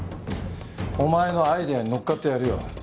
お前のアイデアに乗っかってやるよ。